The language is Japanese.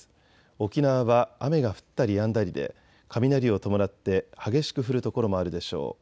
沖縄は雨が降ったりやんだりで雷を伴って激しく降る所もあるでしょう。